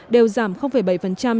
đều giảm bảy